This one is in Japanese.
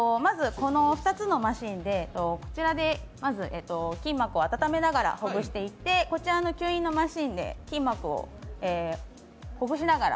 ２つのマシンで、こちらで筋膜を温めながらほぐしていってこらちの吸引のマシンで筋膜をほぐしながら。